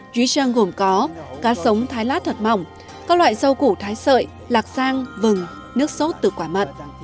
dưới trang gồm có cá sống thái lát thật mỏng các loại rau củ thái sợi lạc sang vừng nước sốt từ quả mận